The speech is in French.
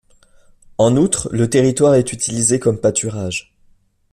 En outre, le territoire est utilisé comme pâturage.